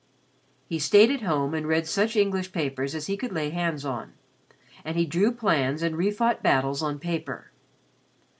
He stayed at home and read such English papers as he could lay hands on and he drew plans and re fought battles on paper.